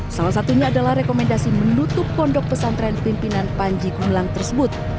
salah satunya adalah rekomendasi menutup pondok pesantren pimpinan panji gumilang tersebut